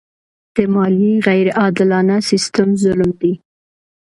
د مالیې غیر عادلانه سیستم ظلم دی.